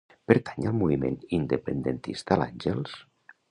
Pertany al moviment independentista l'Angels?